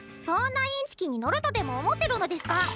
そんなインチキに乗るとでも思ってるのデスカ！